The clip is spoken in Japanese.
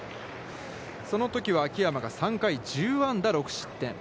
そのときは秋山が、３回１０安打６失点。